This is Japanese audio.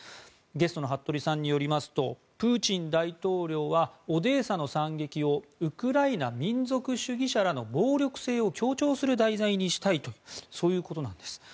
ゲストの服部さんによりますとプーチン大統領はオデーサの惨劇をウクライナ民族主義者らの暴力性を強調する題材にしたいとそういうことなんです。